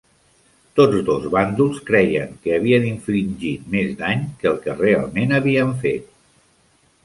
Tots dos bàndols creien que havien infligit més dany que el que realment havien fet.